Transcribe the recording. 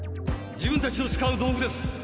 自分たちの使う道具です。